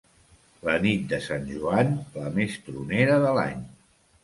La nit de Sant Joan, la més tronera de l'any.